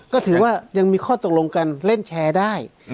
ก็ถือว่ายังมีข้อตกลงกันเล่นแชร์ได้